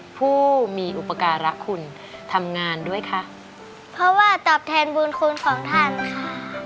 ผู้มีอุปการะคุณทำงานด้วยค่ะเพราะว่าตอบแทนบุญคุณของท่านค่ะ